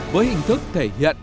với hình thức thể hiện